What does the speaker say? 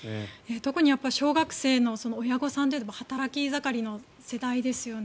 特に小学生の親御さんは働き盛りの世代ですよね。